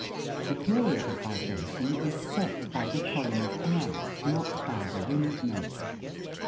The period of vibration is set by the column of air, not by the wind note.